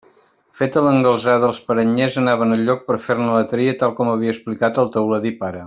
Feta l'engalzada els paranyers anaven al lloc per fer-ne la tria, tal com havia explicat el teuladí pare.